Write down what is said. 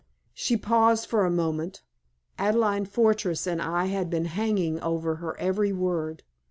She paused for a moment. Adelaide Fortress and I had been hanging over her every word.